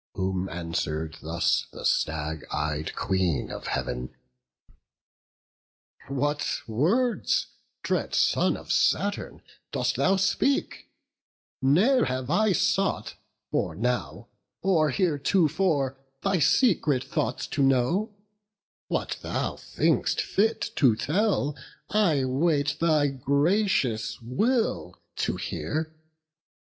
Whom answer'd thus the stag ey'd Queen of Heav'n: "What words, dread son of Saturn, dost thou speak? Ne'er have I sought, or now, or heretofore, Thy secret thoughts to know; what thou think'st fit To tell, I wait thy gracious will to hear.